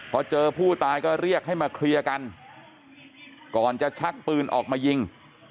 พอเจอผู้ตายก็เรียกให้มาเคลียร์กันก่อนจะชักปืนออกมายิง